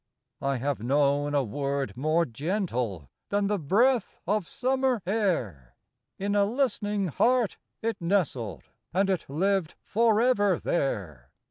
I have known a word more gentle Than the breath of summer air; In a listening heart it nestled, And it lived forever there.